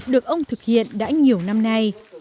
được ông thực hiện đã nhiều năm nay